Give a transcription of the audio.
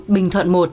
bình thuận một